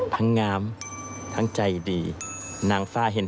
งามทั้งใจดีนางฟ้าเห็น